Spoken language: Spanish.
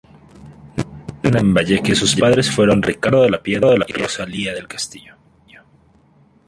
Nacido en Lambayeque, sus padres fueron Ricardo de la Piedra y Rosalía del Castillo.